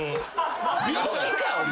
病気かお前。